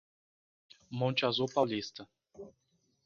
Monte Azul Paulista